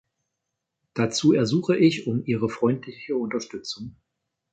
Dazu ersuche ich um Ihre freundliche Unterstützung.